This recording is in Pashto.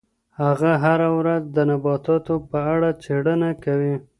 هغه هره ورځ د نباتاتو په اړه څېړنه کوي.